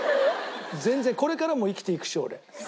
全然これからも生きていくし俺。